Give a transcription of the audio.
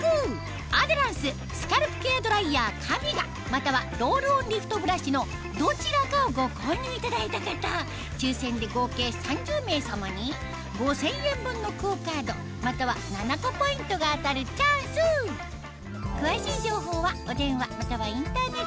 アデランススカルプケアドライヤーカミガまたはロールオンリフトブラシのどちらかをご購入いただいた方抽選で合計３０名様に５０００円分のＱＵＯカードまたはｎａｎａｃｏポイントが当たるチャンス詳しい情報はお電話またはインターネット